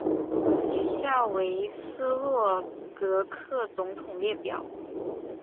以下为斯洛伐克总统列表。